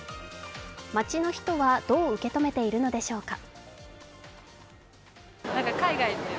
街の人はどう受け止めているのでしょうか。